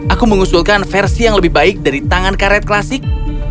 aku mengusulkan versi yang lebih baik dari tangan karet klasik